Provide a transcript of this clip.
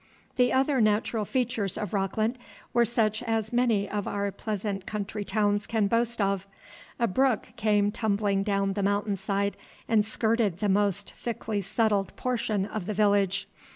The other natural features of Rockland were such as many of our pleasant country towns can boast of. A brook came tumbling down the mountain side and skirted the most thickly settled portion of the village.